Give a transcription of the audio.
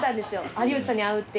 有吉さんに会うっていうので。